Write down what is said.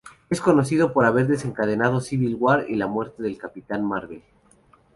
Es conocido por haber desencadenado "Civil War" y la muerte del Capitán Marvel.